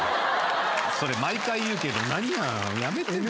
それ毎回言うけど何なん？やめてもう。